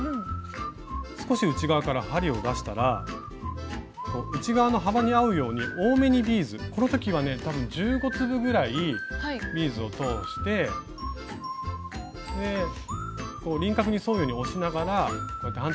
少し内側から針を出したら内側の幅に合うように多めにビーズこの時はね多分１５粒ぐらいビーズを通して輪郭に沿うように押しながらこうやって反対側に針を落とします。